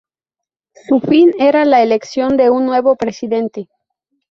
Su fin era la elección de un nuevo presidente.